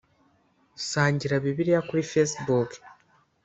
Sangira bibliya kuri Facebook